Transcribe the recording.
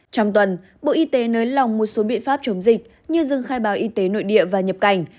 trong tuần bộ y tế nới lỏng một số biện pháp chống dịch như dừng khai báo y tế nội địa và nhập cảnh